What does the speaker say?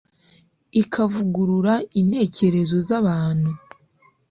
ikavugurura intekerezo za bantu